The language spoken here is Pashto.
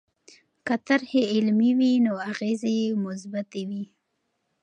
که طرحې علمي وي نو اغېزې یې مثبتې وي.